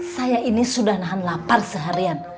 saya ini sudah nahan lapar seharian